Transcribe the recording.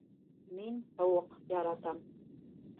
Мин һыуыҡ яратам